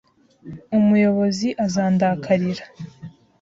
Umuyobozi azandakarira.